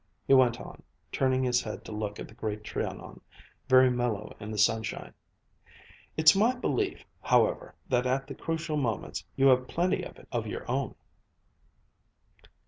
He went on, turning his head to look at the Great Trianon, very mellow in the sunshine. "It's my belief, however, that at the crucial moments you have plenty of it of your own."